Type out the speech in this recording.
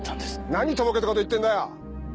なにとぼけたこと言ってんだよ！